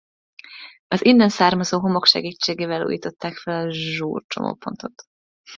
Az innen származó homok segítségével újították fel a Joure csomópontot.